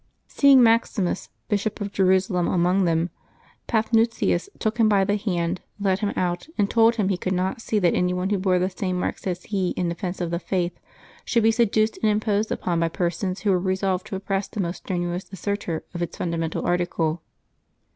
Seeing Maximus, Bishop of Jerusalem, among them, Paphnutius took him by the hand, led him out, and told him he could not see that any who bore the same marks as he in defence of the Faith should be seduced and imposed upon by per sons who were resolved to oppress the most strenuous as sertor of its fundamental article.